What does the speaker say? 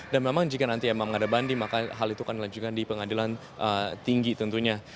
dan memang jika nanti emang ada banding maka hal itu akan dilanjutkan di pengadilan tinggi tentunya